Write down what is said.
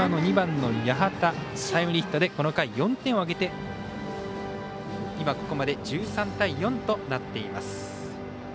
２番の八幡のタイムリーヒットでこの回４点を挙げて今、ここまで１３対４となっています。